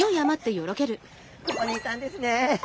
ここにいたんですね。